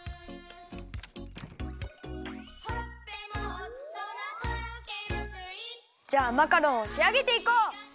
「ほっぺもおちそなとろけるスイーツ」じゃあマカロンをしあげていこう！